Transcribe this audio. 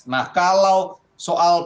nah kalau soal pengantin